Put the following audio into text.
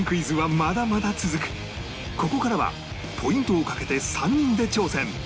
ここからはポイントをかけて３人で挑戦